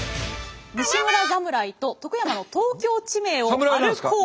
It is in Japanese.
「西村侍と徳山の東京地名を歩こう」。